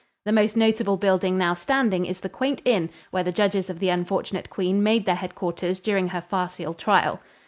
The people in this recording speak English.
The most notable building now standing is the quaint inn where the judges of the unfortunate queen made their headquarters during her farcial trial.